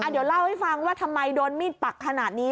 เดี๋ยวเล่าให้ฟังว่าทำไมโดนมีดปักขนาดนี้